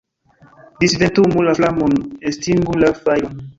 Disventumu la flamon, estingu la fajron!